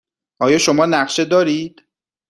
آیا شما نقشه دارید؟